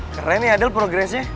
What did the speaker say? keren ya del progressnya